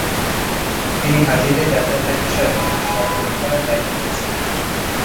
তিনি হাজিদের যাতায়াতের বিষয়ে তদন্ত করার দায়িত্ব পেয়েছিলেন।